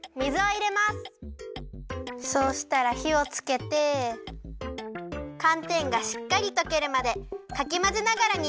そうしたらひをつけてかんてんがしっかりとけるまでかきまぜながらにるよ。